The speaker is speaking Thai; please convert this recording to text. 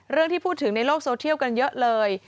ที่พูดถึงในโลกโซเทียลกันเยอะเลย